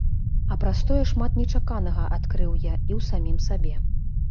А праз тое шмат нечаканага адкрыў я і ў самім сабе.